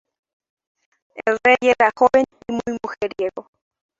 El rey era joven y muy mujeriego.